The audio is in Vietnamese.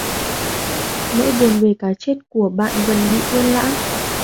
Nỗi buồn về cái chết của bạn dần bị quên lãng